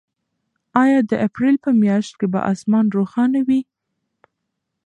آیا د اپریل په میاشت کې به اسمان روښانه وي؟